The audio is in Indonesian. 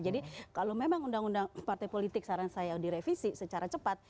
jadi kalau memang undang undang partai politik saran saya direvisi secara cepat